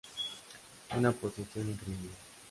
Una posición increíble.